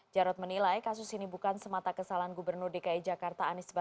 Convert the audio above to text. jarod menilai kasus ini bukan semata kesalahan gubernur dki jakarta anies baswedan